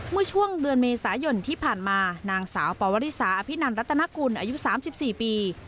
เมื่อช่วงเดือนเมษายนที่ผ่านมานางสาวปวริสาอภินันรัตนกุลอายุ๓๔ปี